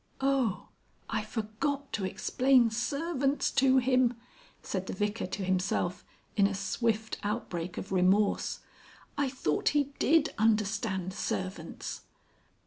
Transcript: "Oh! I forgot to explain servants to him!" said the Vicar to himself in a swift outbreak of remorse. "I thought he did understand servants."